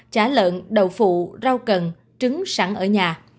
chá lợn đậu phụ rau cần trứng sẵn ở nhà